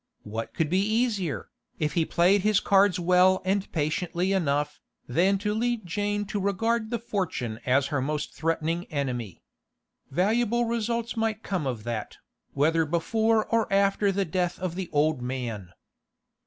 What could be easier, if he played his cards well and patiently enough, than to lead Jane to regard the fortune as her most threatening enemy? Valuable results might come of that, whether before or after the death of the old man.